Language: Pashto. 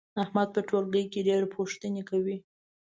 احمد په ټولګي کې ډېر پوښتنې کوي.